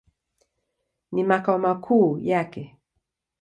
Ni makao makuu yake.